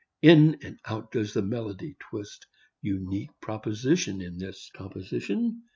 In and out does the melody twist Unique proposition Is this composition.